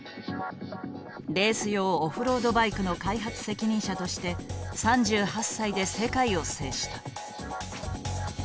レース用オフロードバイクの開発責任者として３８歳で世界を制した。